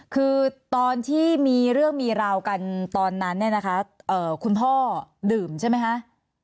คือตอนที่มีเรื่องมีราวกันตอนนั้นเนี่ยนะคะคุณพ่อดื่มใช่ไหมคะ